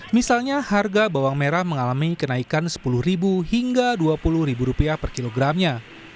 misalnya harga bawang merah mengalami kenaikan rp sepuluh hingga rp dua puluh per kilogramnya